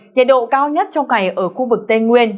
nhiệt độ cao nhất trong ngày ở khu vực tây nguyên